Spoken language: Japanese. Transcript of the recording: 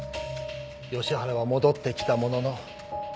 吉原は戻ってきたものの。